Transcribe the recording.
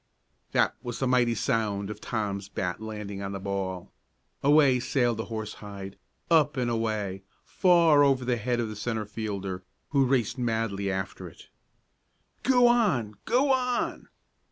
That was the mighty sound of Tom's bat landing on the ball. Away sailed the horsehide up and away, far over the head of the centre fielder, who raced madly after it. "Go on! Go on!"